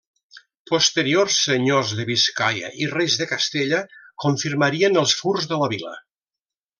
Posteriors senyors de Biscaia i reis de Castella confirmarien els furs de la vila.